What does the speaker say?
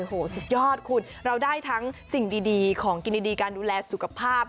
โอ้โหสุดยอดคุณเราได้ทั้งสิ่งดีของกินดีการดูแลสุขภาพ